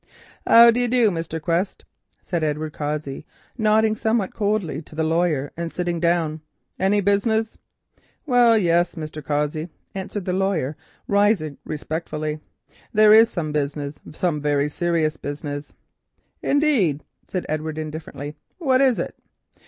"How do you do, Quest?" said Edward Cossey, nodding somewhat coldly to the lawyer and sitting down. "Any business?" "Well, yes, Mr. Cossey," answered the lawyer, rising respectfully, "there is some business, some very serious business." "Indeed," said Edward indifferently, "what is it?"